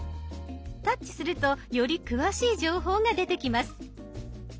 タッチするとより詳しい情報が出てきます。